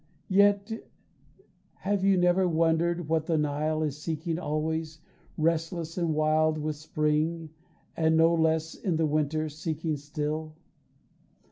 Yet have you never wondered what the Nile Is seeking always, restless and wild with spring And no less in the winter, seeking still?